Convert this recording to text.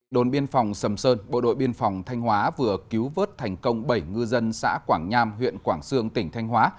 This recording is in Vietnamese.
đồn biên phòng sầm sơn bộ đội biên phòng thanh hóa vừa cứu vớt thành công bảy ngư dân xã quảng nham huyện quảng sương tỉnh thanh hóa